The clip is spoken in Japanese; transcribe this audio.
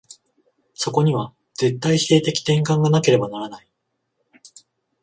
そこには絶対否定的転換がなければならない。